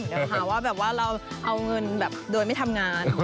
เดี๋ยวหาว่าแบบว่าเราเอาเงินแบบโดยไม่ทำงาน